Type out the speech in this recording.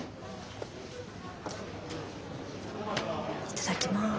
いただきます。